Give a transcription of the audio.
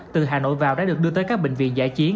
từ hà nội vào đã được đưa tới các bệnh viện giải trí